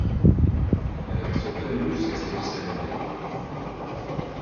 Elle reste auprès de lui jusqu'à ce qu'il se réveille.